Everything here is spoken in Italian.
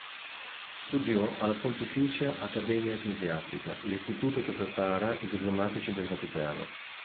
Studiò alla Pontificia Accademia Ecclesiastica, l'istituto che prepara i diplomatici del Vaticano.